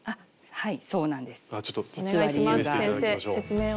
はい。